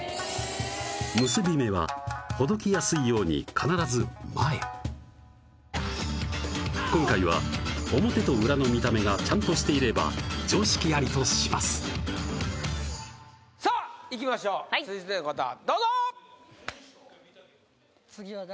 結び目はほどきやすいように必ず前今回は表と裏の見た目がちゃんとしていれば常識ありとしますさあいきましょう続いての方どうぞ次は誰？